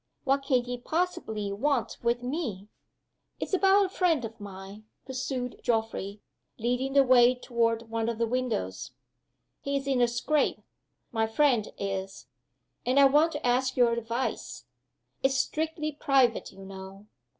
"What can he possibly want with Me?" "It's about a friend of mine," pursued Geoffrey; leading the way toward one of the windows. "He's in a scrape, my friend is. And I want to ask your advice. It's strictly private, you know."